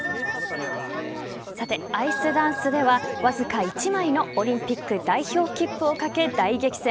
さて、アイスダンスではわずか１枚のオリンピック代表切符を懸け大激戦。